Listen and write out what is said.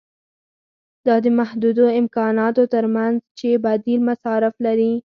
دا د محدودو امکاناتو ترمنځ چې بدیل مصارف لري.